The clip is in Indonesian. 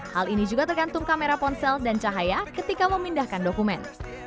hal ini juga tergantung kamera ponsel dan cahaya ketika memindahkan dokumen